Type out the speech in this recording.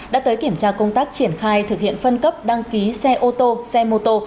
đã tới kiểm tra công tác triển khai thực hiện phân cấp đăng ký xe ô tô xe mô tô